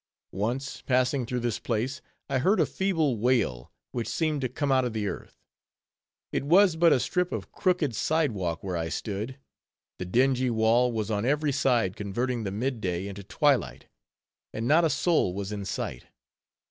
Once, passing through this place, I heard a feeble wail, which seemed to come out of the earth. It was but a strip of crooked side walk where I stood; the dingy wall was on every side, converting the mid day into twilight; and not a soul was in sight.